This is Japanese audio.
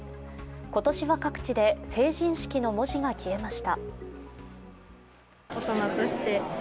今年は各地で「成人式」の文字が消えました。